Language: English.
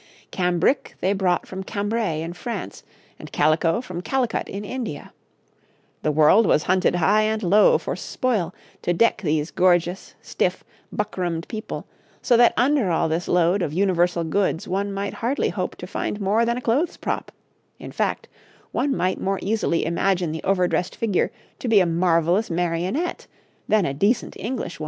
Cambric they brought from Cambrai in France, and calico from Calicut in India the world was hunted high and low for spoil to deck these gorgeous, stiff, buckramed people, so that under all this load of universal goods one might hardly hope to find more than a clothes prop; in fact, one might more easily imagine the overdressed figure to be a marvellous marionette than a decent Englishwoman.